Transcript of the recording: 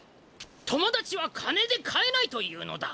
「友だちは金で買えない」と言うのだ。